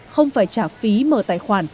ba không phải trả phí mở tài khoản